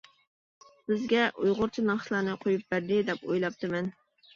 بىزگە ئۇيغۇرچە ناخشىلارنى قويۇپ بەردى دەپ ئويلاپتىمەن.